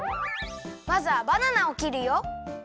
まずはバナナをきるよ。